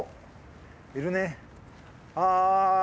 はい。